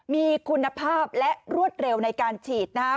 มีคุณภาพและรวดเร็วในการฉีดนะครับ